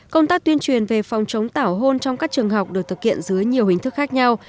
công tác tuyên truyền về phòng chống tảo hôn trong các trường học được thực hiện dưới nhiều hình thức khác nhau